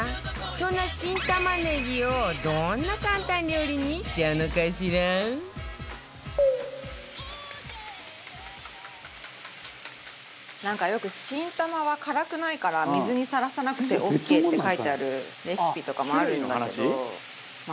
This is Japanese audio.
そんな新玉ねぎをどんな簡単料理にしちゃうのかしら？なんかよく新玉は辛くないから水にさらさなくてオーケーって書いてあるレシピとかもあるんだけどま